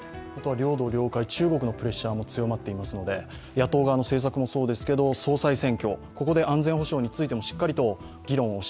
領土、領海、中国のプレッシャーも強まっていますので野党側の政策もそうですけど、総裁選挙ここで安全保障についてもしっかりと議論をし